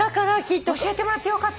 教えてもらってよかった。